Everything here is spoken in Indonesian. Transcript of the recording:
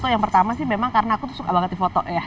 yang pertama sih memang karena aku suka banget di fotografer